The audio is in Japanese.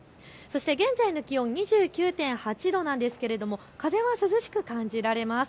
現在の気温２９．８度なんですけれど風は涼しく感じられます。